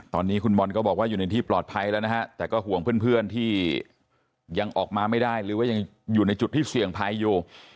ตอนนี้คุณบอลก็บอกว่าอยู่ในที่ปลอดภัยแล้วนะฮะแต่ก็ห่วงเพื่อนที่ยังออกมาไม่ได้หรือว่ายังอยู่ในจุดที่เสี่ยงภัยอยู่